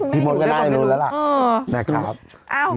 พี่มนต์ก็ได้รู้แล้วล่ะ